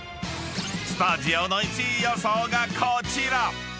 ［スタジオの１位予想がこちら］